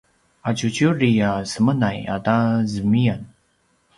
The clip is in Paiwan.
aciuciuri a semenay ata zemiyan!